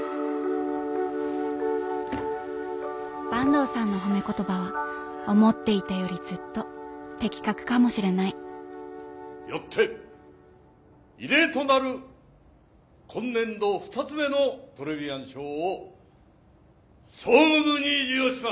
坂東さんの褒め言葉は思っていたよりずっと的確かもしれないよって異例となる今年度２つ目のトレビアン賞を総務部に授与します！